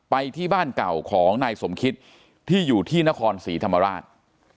ไปที่บ้านเก่าของนายสมคิตที่อยู่ที่นครศรีธรรมราช